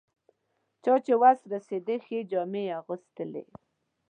چا چې وس رسېد ښې جامې یې اغوستلې.